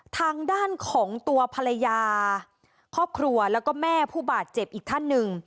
ทางด้านของตัวภรรยาครอบครัวแล้วก็แม่ผู้บาดเจ็บอีกท่านหนึ่ง